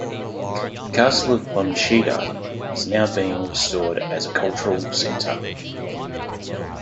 The Castle of Bonchida is now being restored as a cultural center.